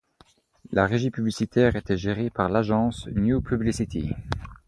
La régie publicitaire était gérée par l'agence New Publicity.